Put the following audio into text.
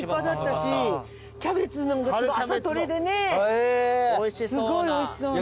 すごいおいしそうな。